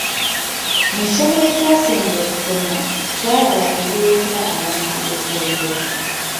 Mu ssomo lye twasemba okusoma, twalaba ebireetera abantu okwogera.